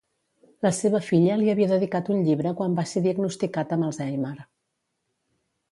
La seva filla li havia dedicat un llibre quan va ser diagnosticat amb Alzheimer.